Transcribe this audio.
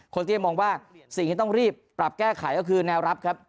ก็ยังมองว่าสิ่งที่ต้องรีบปรับแก้ไขก็คือแนวรับครับ